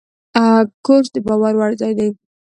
کورس د باور وړ ځای وي.